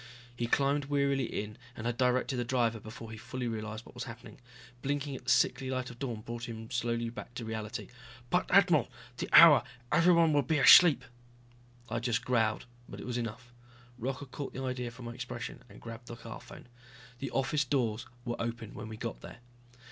He climbed wearily in and had directed the driver before he fully realized what was happening. Blinking at the sickly light of dawn brought him slowly back to reality. "But ... admiral ... the hour! Everyone will be asleep...." I just growled, but it was enough. Rocca caught the idea from my expression and grabbed the car phone. The office doors were open when we got there.